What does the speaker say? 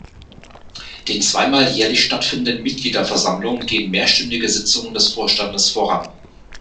Den zweimal jährlich stattfindenden Mitgliederversammlungen gehen mehrstündige Sitzungen des Vorstandes voran.